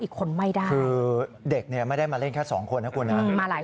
อีกคนไม่ได้คือเด็กเนี่ยไม่ได้มาเล่นแค่สองคนนะคุณนะ